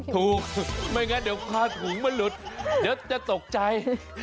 ถูกไม่งั้นเดี๋ยวมาพัดถุงลุดจะถกใจ